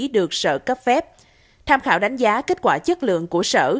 được sở cấp phép tham khảo đánh giá kết quả chất lượng của sở